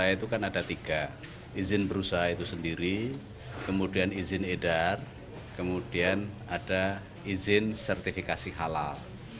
itu kan ada tiga izin berusaha itu sendiri kemudian izin edar kemudian ada izin sertifikasi halal